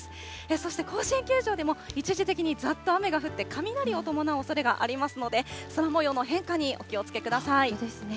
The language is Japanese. そして甲子園球場でも、一時的にざっと雨が降って、雷を伴うおそれがありますので、空もようの変本当ですね。